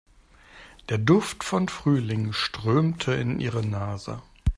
Der Duft von Frühling strömte in ihre Nase.